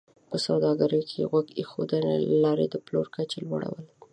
په سوداګرۍ کې د غوږ ایښودنې له لارې د پلور د کچې لوړول